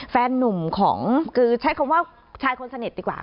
แฟนนุ่มของคือใช้คำว่าชายคนสนิทดีกว่า